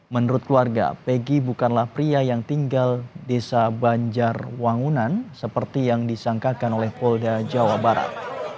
menurut keluarga pegi bukanlah pria yang tinggal desa banjar wangunan seperti yang disangkakan oleh polda jawa barat